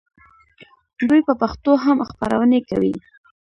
دوی په پښتو هم خپرونې کوي.